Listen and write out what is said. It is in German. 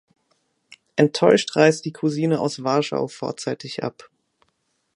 Enttäuscht reist die Cousine aus Warschau vorzeitig ab.